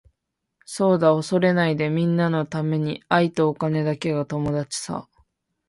そうだ恐れないでみんなのために愛とお金だけが友達さ。